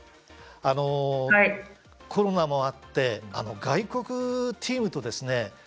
あのコロナもあって外国チームとですね